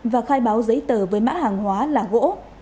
và khai báo giấy tờ với mã hàng hóa là gỗ